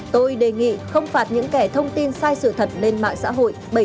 tôi đề nghị không phạt những kẻ thông tin sai sự thật lên mạng xã hội